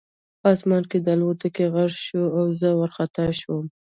په آسمان کې د الوتکو غږ شو او زه وارخطا شوم